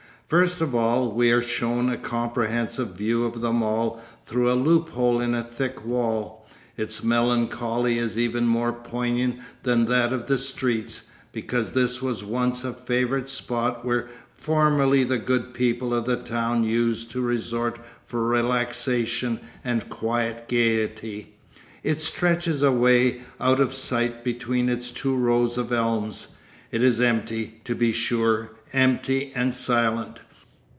First of all we are shown a comprehensive view of the mall through a loophole in a thick wall. Its melancholy is even more poignant than that of the streets, because this was once a favourite spot where formerly the good people of the town used to resort for relaxation and quiet gaiety. It stretches away out of sight between its two rows of elms. It is empty, to be sure, empty and silent.